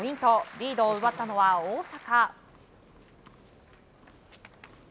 リードを奪ったのは大坂。